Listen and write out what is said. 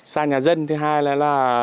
xa nhà dân thứ hai là